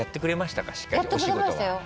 しっかりお仕事は。